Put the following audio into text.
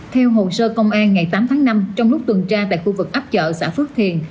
theo hồ sơ công an ngày tám tháng năm trong lúc tuần tra tại khu vực ấp chợ xã phước thiền